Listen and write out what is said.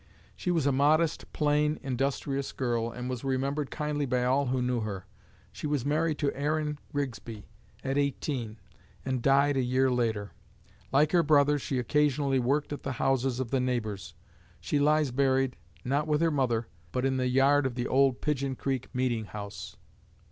She was a modest, plain, industrious girl, and was remembered kindly by all who knew her. She was married to Aaron Grigsby at eighteen, and died a year later. Like her brother, she occasionally worked at the houses of the neighbors. She lies buried, not with her mother, but in the yard of the old Pigeon Creek meeting house.